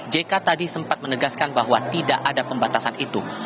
jk tadi sempat menegaskan bahwa tidak ada pembatasan itu